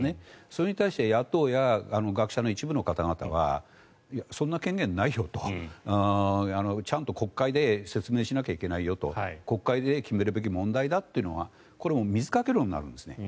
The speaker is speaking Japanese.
それに対して野党や学者の一部の方々はそんな権限はないよとちゃんと国会で説明しなきゃいけないよと国会で決めるべき問題だと水掛け論になるんですね。